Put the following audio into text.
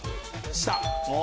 した！